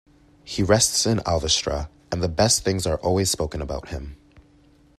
He rests in Alvastra, and the best things are always spoken about him".